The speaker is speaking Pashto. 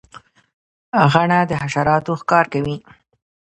غڼه د حشراتو ښکار کوي